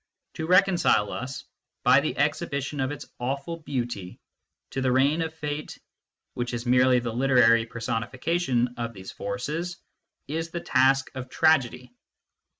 To reconcile us, by the exhibition of its awful beauty, to the reign of Fate which is merely the literary personifica tion of these forces is the task of tragedy.